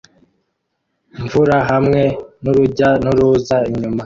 mvura hamwe nurujya n'uruza inyuma